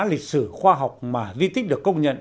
lịch sử khoa học mà di tích được công nhận